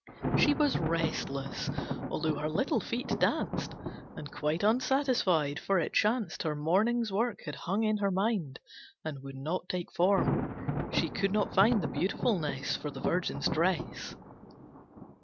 She was restless, although her little feet danced, And quite unsatisfied, for it chanced Her morning's work had hung in her mind And would not take form. She could not find The beautifulness For the Virgin's dress.